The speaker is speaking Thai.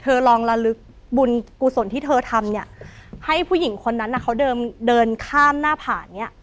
เธอลองละลึกบุญกุศลที่เธอทำให้ผู้หญิงคนนั้นเขาเดินข้ามหน้าผ่าน